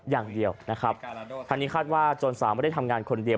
อย่างเดียวนะครับทางนี้คาดว่าจนสาวไม่ได้ทำงานคนเดียว